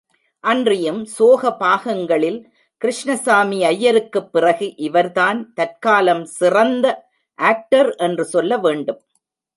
அன்றியும் சோக பாகங்களில், கிருஷ்ணசாமி ஐயருக்குப் பிறகு, இவர்தான் தற்காலம் சிறந்த ஆக்டர் என்று சொல்ல வேண்டும்.